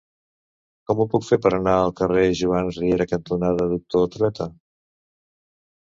Com ho puc fer per anar al carrer Joan Riera cantonada Doctor Trueta?